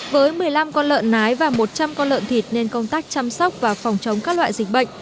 với một mươi năm con lợn nái và một trăm linh con lợn thịt nên công tác chăm sóc và phòng chống các loại dịch bệnh